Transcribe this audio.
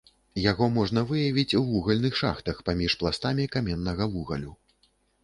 Яго можна выявіць у вугальных шахтах паміж пластамі каменнага вугалю.